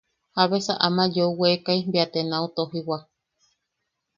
Jabesa ama yeeuwekai bea te nau tojiwak.